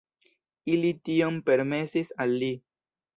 Ili tion permesis al li.